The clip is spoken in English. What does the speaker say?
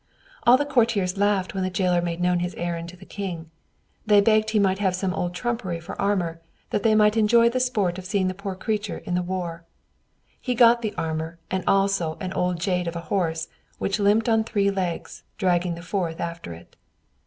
All the courtiers laughed when the jailer made known his errand to the king. They begged he might have some old trumpery for armor, that they might enjoy the sport of seeing the poor creature in the war. He got the armor and also an old jade of a horse, which limped on three legs, dragging the fourth after it.